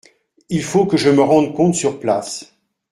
il faut que je me rende compte sur place.